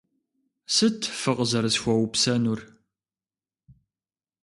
Сыт фыкъызэрысхуэупсэнур?